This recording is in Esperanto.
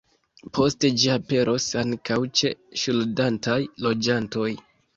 Poste ĝi aperos ankaŭ ĉe ŝuldantaj loĝantoj.